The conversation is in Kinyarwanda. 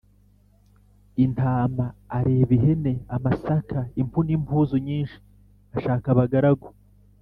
intama, areba ihene, amasaka, impu n' impuzu nyinshi, ashaka abagaragu